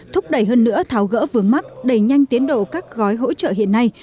thúc đẩy hơn nữa tháo gỡ vướng mắt đẩy nhanh tiến độ các gói hỗ trợ hiện nay